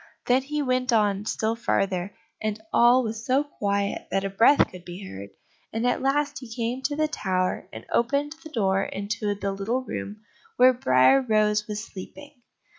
Then he went on still farther, and all was so quiet that a breath could be heard, and at last he came to the tower, and opened the door into the little room where Briar rose was sleeping.